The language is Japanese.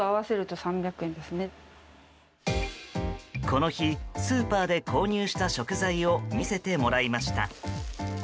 この日、スーパーで購入した食材を見せてもらいました。